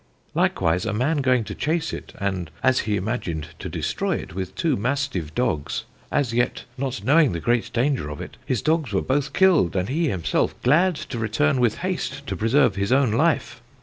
Likewise a man going to chase it, and as he imagined, to destroy it with two mastive dogs, as yet not knowing the great danger of it, his dogs were both killed, and he himselfe glad to returne with hast to preserve his own life.